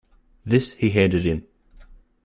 This he handed in.